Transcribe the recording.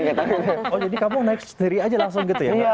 oh jadi kamu naik sendiri aja langsung gitu ya